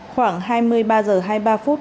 khoảng hai mươi ba h hai mươi ba phút